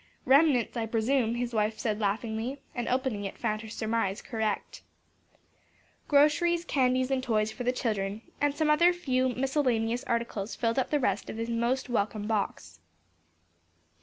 "Remnants, I presume," his wife said laughingly, and opening it found her surmise correct. Groceries, candies and toys for the children, and some few other miscellaneous articles filled up the rest of this most welcome box.